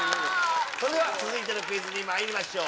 それでは続いてのクイズにまいりましょう。